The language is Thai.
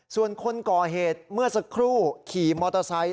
ส่วนคนก่อเหตุเมื่อสักครู่ขี่มอเตอร์ไซค์